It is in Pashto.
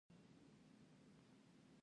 ایا زه باید کمپله وکاروم؟